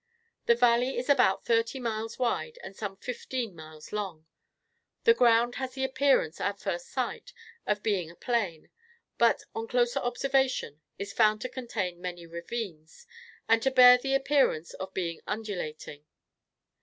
The valley is about thirty miles wide and some fifteen miles long. The ground has the appearance, at first sight, of being a plain; but, on closer observation, it is found to contain many ravines, and to bear the appearance of being undulating.